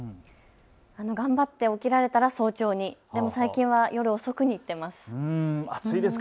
頑張って起きられたら早朝に、最近は夜遅くに行っています。